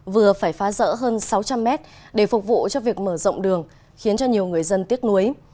vừa phải phá rỡ hơn sáu trăm linh mét để phục vụ cho việc mở rộng đường khiến cho nhiều người dân tiếc nuối